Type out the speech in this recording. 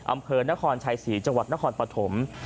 อำเภอนครชัยศรีจังหวัดนครปฐม